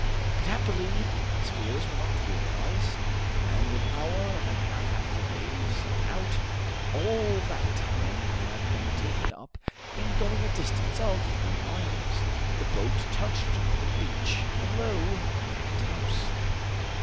But happily his fears were not realized, and an hour and a half after they set out all that time had been taken up in going a distance of three miles the boat touched the beach below Granite House.